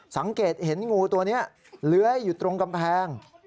สังเกตเห็นงูตัวนี้เลื้อยอยู่ตรงกำแพง